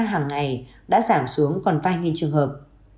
hàng ngày đã giảm xuống còn vài nghìn trường hợp